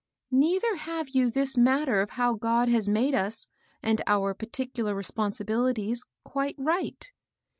Neither have you this matter of how God has made us, and our particular responsibili ties, quite right.